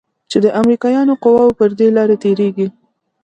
چې د امريکايانو قواوې پر دې لاره تېريږي.